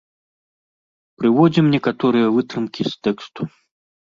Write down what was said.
Прыводзім некаторыя вытрымкі з тэксту.